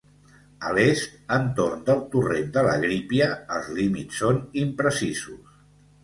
A l'est, entorn del torrent de la Grípia, els límits són imprecisos.